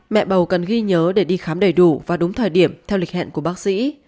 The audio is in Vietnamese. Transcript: mẹ bầu cần ghi nhớ để đi khám đầy đủ và đúng thời điểm theo lịch hẹn của bác sĩ